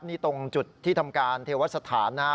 นี่ตรงจุดที่ทำการเทวัตรสถานนะครับ